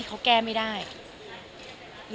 ขอเริ่มขออนุญาต